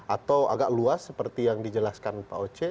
atau agak luas seperti yang dijelaskan pak oce